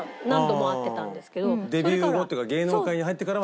デビュー後っていうか芸能界に入ってからはない？